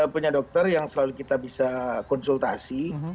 punya dokter yang selalu kita bisa konsultasi